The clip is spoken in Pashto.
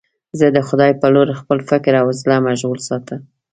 زه د خدای په لور خپل فکر او زړه مشغول ساته.